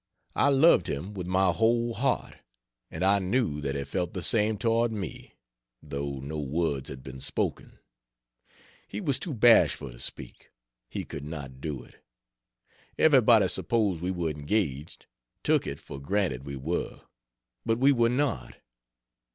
I loved him with my whole heart, and I knew that he felt the same toward me, though no words had been spoken. He was too bashful to speak he could not do it. Everybody supposed we were engaged took it for granted we were but we were not.